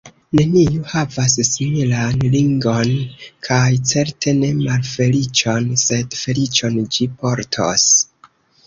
Neniu havas similan ringon kaj certe ne malfeliĉon, sed feliĉon ĝi portos.